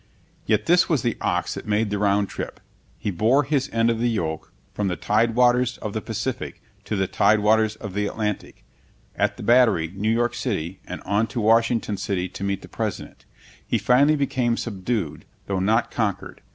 Yet this was the ox that made the round trip. He bore his end of the yoke from the tidewaters of the Pacific to the tidewaters of the Atlantic, at the Battery, New York City, and on to Washington City to meet the President. He finally became subdued, though not conquered.